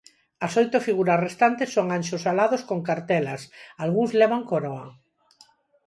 As oito figuras restantes son anxos alados con cartelas, algúns levan coroa.